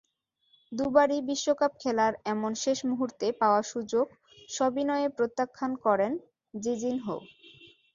দুবারই বিশ্বকাপ খেলার এমন শেষ মুহূর্তে পাওয়া সুযোগ সবিনয়ে প্রত্যাখ্যান করেন জিজিনহো।